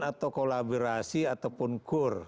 atau kolaborasi ataupun kur